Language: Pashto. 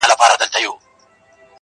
ستا پر مخ د وخت گردونو کړی شپول دی_